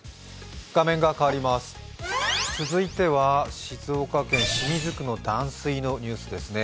続いては静岡県清水区の断水のニュースですね。